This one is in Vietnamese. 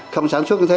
không sản xuất như thế